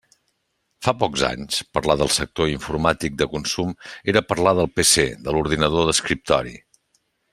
Fa pocs anys, parlar del sector informàtic de consum era parlar del PC, de l'ordinador d'escriptori.